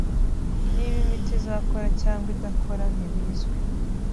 Niba imiti izakora cyangwa idakora ntibizwi.